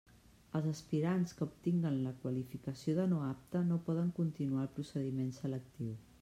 Els aspirants que obtinguen la qualificació de no apte no poden continuar el procediment selectiu.